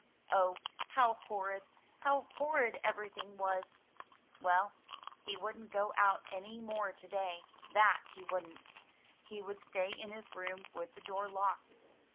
*' Oh, how horrid, how horrid everything was! Well, he wouldn't go out any more to day, that he wouldn't; he would stay in his room with the door locked.